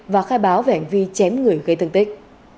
và khai báo về hành vi chém người gây thương tích